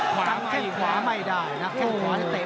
ดังแค่ขวาไม่ได้นะแค่ขวาจะเตะได้อยู่